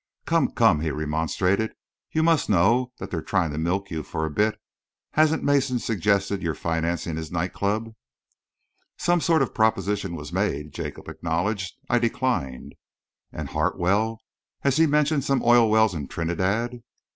"Come, come," he remonstrated, "you must know that they're trying to milk you for a bit. Hasn't Mason suggested your financing his night club?" "Some sort of a proposition was made," Jacob acknowledged. "I declined." "And Hartwell? Has he mentioned some oil wells in Trinidad?"